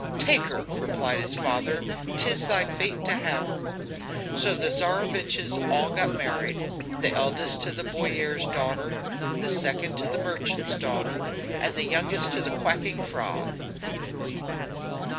"Take her!" replied his father, "'tis thy fate to have her!" So the Tsareviches all got married the eldest to the boyar's daughter, the second to the merchant's daughter, and the youngest to the quacking frog.